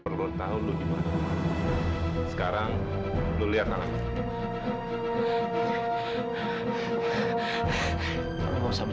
perlu tahu sekarang lu lihat